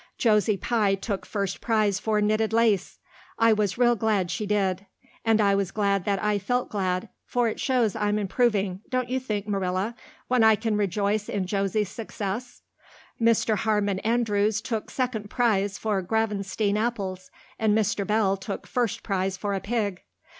Josie Pye took first prize for knitted lace. I was real glad she did. And I was glad that I felt glad, for it shows I'm improving, don't you think, Marilla, when I can rejoice in Josie's success? Mr. Harmon Andrews took second prize for Gravenstein apples and Mr. Bell took first prize for a pig.